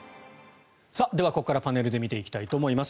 ここからパネルで見ていきたいと思います。